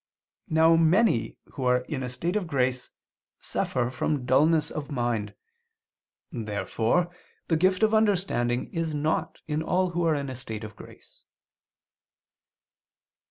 Now many who are in a state of grace suffer from dulness of mind. Therefore the gift of understanding is not in all who are in a state of grace.